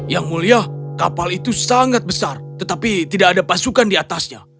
yang mulia kapal itu sangat besar tetapi tidak ada pasukan diatasnya